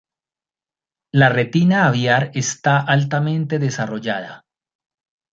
La retina aviar está altamente desarrollada.